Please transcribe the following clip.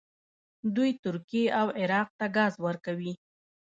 دوی ترکیې او عراق ته ګاز ورکوي.